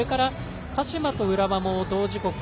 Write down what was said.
鹿島と浦和は同時刻